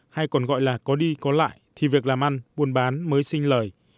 hay còn gọi là có đi có lại thì việc làm ăn buôn bán mới xinh lời